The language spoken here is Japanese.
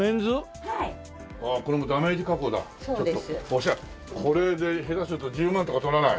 オシャレこれで下手すると１０万とか取らない？